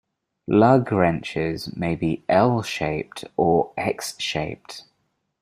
Lug wrenches may be L-shaped, or X-shaped.